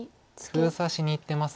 封鎖しにいってます。